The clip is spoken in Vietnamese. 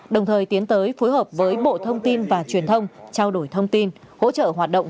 đồng thời tiến tới phối hợp với bộ thông tin và truyền thông trao đổi thông tin hỗ trợ hoạt động